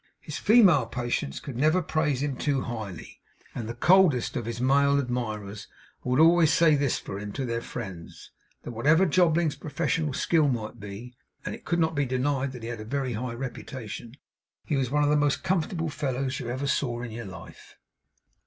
His female patients could never praise him too highly; and the coldest of his male admirers would always say this for him to their friends, 'that whatever Jobling's professional skill might be (and it could not be denied that he had a very high reputation), he was one of the most comfortable fellows you ever saw in your life!